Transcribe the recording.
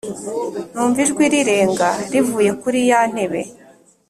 Numva ijwi rirenga rivuye kuri ya ntebe